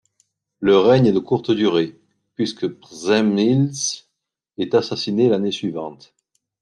Le règne est de courte durée, puisque Przemysl est assassiné l'année suivante.